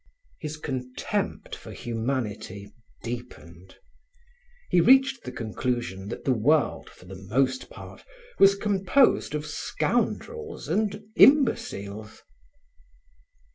His contempt for humanity deepened. He reached the conclusion that the world, for the most part, was composed of scoundrels and imbeciles.